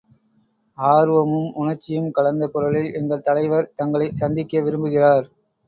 ஆர்வமும் உணர்ச்சியும் கலந்த குரலில், எங்கள் தலைவர், தங்களைச் சந்திக்க விரும்புகிறார்.